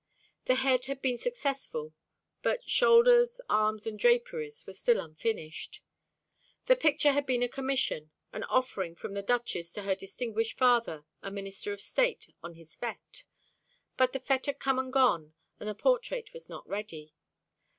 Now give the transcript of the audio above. The head had been successful, but shoulders, arms, and draperies were still unfinished. The picture had been a commission, an offering from the Duchess to her distinguished father, a Minister of State, on his fête. But the fête had come and gone, and the portrait was not ready.